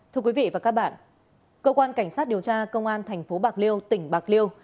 thưa quý vị và các bạn cơ quan cảnh sát điều tra công an thành phố bạc liêu tỉnh bạc liêu